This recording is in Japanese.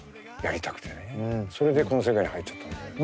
それでこの世界に入っちゃったんだけどね。